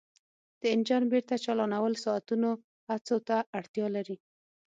د انجن بیرته چالانول ساعتونو هڅو ته اړتیا لري